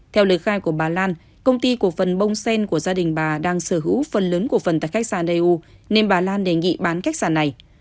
theo lời khai của bà lan công ty cổ phần bông sen của gia đình bà đang sở hữu phần lớn của phần tại khách sạn eu nên bà lan đề nghị bán khách sạn này